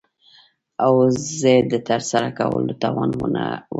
او زه يې دترسره کولو توان وه لرم .